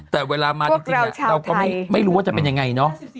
พวกเราชาวไทย